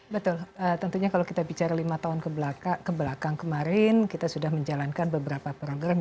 betul tentunya kalau kita bicara lima tahun kebelakang kemarin kita sudah menjalankan beberapa program